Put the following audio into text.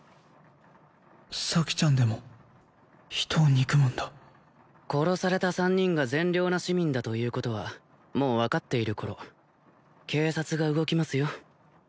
咲ちゃんでも人を憎むんだ殺された３人が善良な市民だということはもう分かっている頃警察が動きますよ